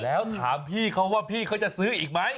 แล้วถามพี่เขาว่าพี่เขาจะซื้ออีกไหม